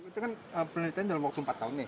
itu kan penelitian dalam waktu empat tahun nih